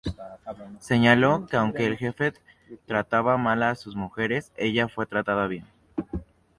Señaló que aunque el jefe trataba mal a sus mujeres, ella fue tratada bien.